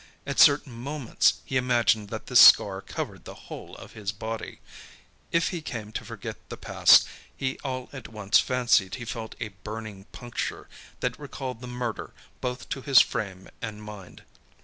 At certain moments, he imagined that this scar covered the whole of his body. If he came to forget the past, he all at once fancied he felt a burning puncture, that recalled the murder both to his frame and mind.